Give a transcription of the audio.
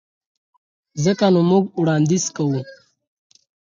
ځکه نو موږ وړانديز کوو.